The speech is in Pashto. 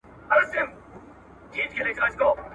چي پر غولي د ماتم ووايی ساندي `